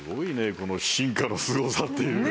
この進化のすごさっていうか。